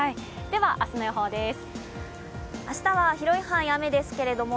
では、明日の予報です。